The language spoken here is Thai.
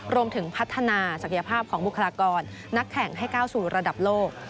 รวมถึงพัฒนาศักยภาพของบุคลากรนักแข่งให้ก้าวสู่ระดับโลก